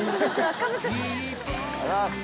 ありがとうございます！